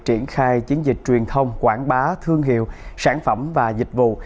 triển khai chiến dịch truyền thông quảng bá thương hiệu sản phẩm và dịch vụ